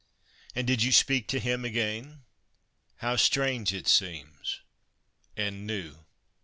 And did you speak to him again? How strange it seems and new!"